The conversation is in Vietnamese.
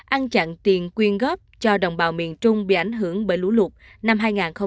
ăn chặn tiền quyên góp cho đồng bào miền trung bị ảnh hưởng bởi lũ lụt năm hai nghìn